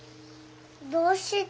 どうして？